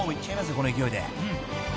この勢いで］